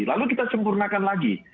lalu kita sempurnakan lagi